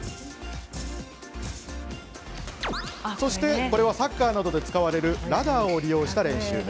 そして、これはサッカーなどで使われるラダーを利用した練習。